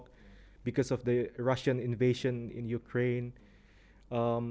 karena pembentukan rusia di ukraina